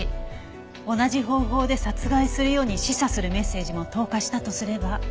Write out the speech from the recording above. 同じ方法で殺害するように示唆するメッセージも投下したとすれば。